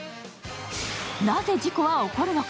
なぜ事故は起こるのか。